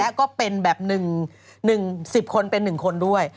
แล้วก็เป็นแบบ๑๐คนเป็น๑คนด้วย